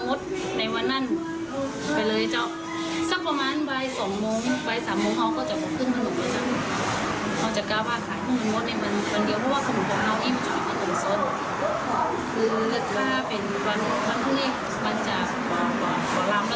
สักประมาณบัยสองโมงบัยสามโมงฮอบก็จะพอครึ่งเหมือนกันเจ้า